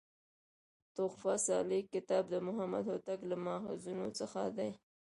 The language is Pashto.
"تحفه صالح کتاب" د محمد هوتک له ماخذونو څخه دﺉ.